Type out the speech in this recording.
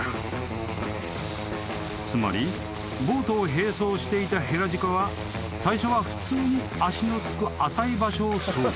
［つまりボートを並走していたヘラジカは最初は普通に足の着く浅い場所を走行］